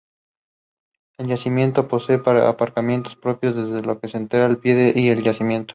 El yacimiento posee aparcamiento propio, desde el que se entra a pie al yacimiento.